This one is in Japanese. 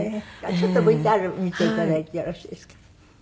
ちょっとＶＴＲ見て頂いてよろしいですか。